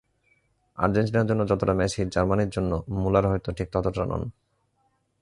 আর্জেন্টিনার জন্য যতটা মেসি, জার্মানির জন্য মুলার হয়তো ঠিক ততটা নন।